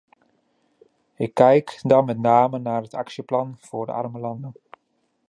Ik kijk dan met name naar het actieplan voor de arme landen.